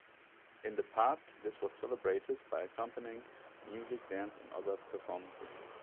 In the past, this was celebrated by accompanying music, dance, and other performances.